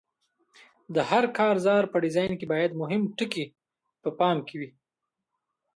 د هر کارزار په ډیزاین کې باید مهم ټکي په پام کې وي.